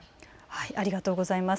ありがとうございます。